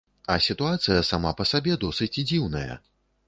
А сітуацыя сама па сабе досыць дзіўная.